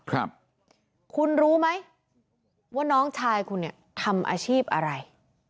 ครับคุณรู้ไหมว่าน้องชายคุณเนี่ยทำอาชีพอะไร